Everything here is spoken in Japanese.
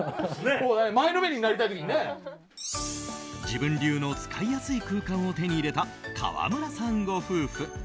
自分流の使いやすい空間を手に入れた川村さんご夫婦。